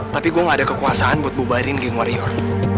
tapi gua gak ada kekuasaan buat bubahirin geng warrior